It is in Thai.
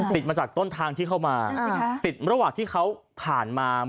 ติดมาจากต้นทางที่เข้ามาติดระหว่างที่เขาผ่านมา